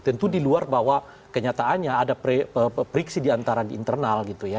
tentu di luar bahwa kenyataannya ada priksi di antara di internal gitu ya